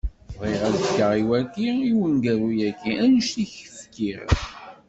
Bɣiɣ ad fkeɣ i wagi, i uneggaru-agi, annect i k-fkiɣ.